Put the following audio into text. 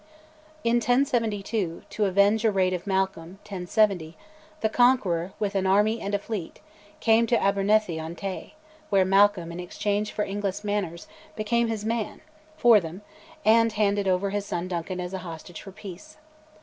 In 1072, to avenge a raid of Malcolm (1070), the Conqueror, with an army and a fleet, came to Abernethy on Tay, where Malcolm, in exchange for English manors, "became his man" for them, and handed over his son Duncan as a hostage for peace.